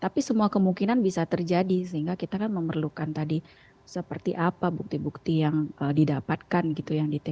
tapi semua kemungkinan bisa terjadi sehingga kita kan memerlukan tadi seperti apa bukti bukti yang didapatkan gitu yang diterima